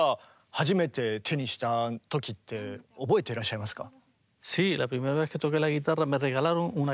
初めて手にした時って覚えてらっしゃいますか？